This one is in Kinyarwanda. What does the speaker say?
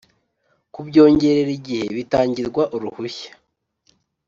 Kubyongerera igihe bitangirwa uruhushya